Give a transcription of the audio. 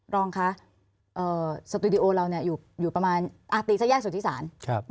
รองคะสตูดิโอเราอยู่ประมาณตีสักแยกสุธิศาล